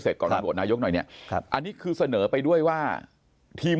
เสร็จก่อนตอนบทนายกหน่อยเนี้ยครับอันนี้คือเสนอไปด้วยว่าทีม